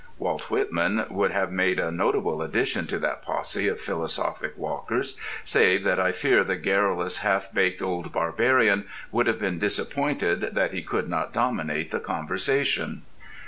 Walt Whitman would have made a notable addition to that posse of philosophic walkers, save that I fear the garrulous half baked old barbarian would have been disappointed that he could not dominate the conversation.